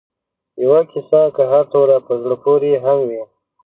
یوه کیسه که هر څومره په زړه پورې هم وي